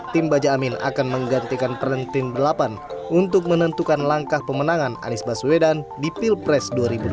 tim baja amin akan menggantikan perentin delapan untuk menentukan langkah pemenangan anies baswedan di pilpres dua ribu dua puluh